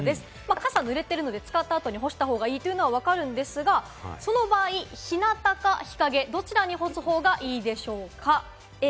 傘が濡れてるので使った後に干した方がいいというのは分かるんですが、その場合、日なたか日陰、どちらに干す方がいいでしょうか？